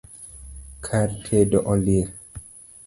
Kar tedo olil